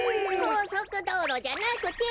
こうそくどうろじゃなくて。